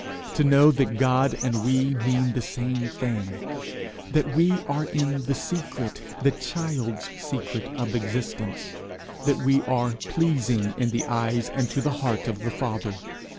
to know that God and we mean the same thing, that we are in the secret, the child's secret of existence, that we are pleasing in the eyes and to the heart of the Father!